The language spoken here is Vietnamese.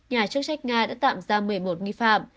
nhà chức trách nga đã tạm ra một mươi một nghi phạm